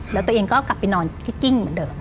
แล้วตัวเองก็กลับไปนอนที่กิ้งเหมือนเดิม